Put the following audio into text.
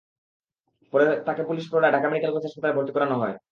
পরে তাঁকে পুলিশ প্রহরায় ঢাকা মেডিকেল কলেজ হাসপাতালে ভর্তি করানো হয়।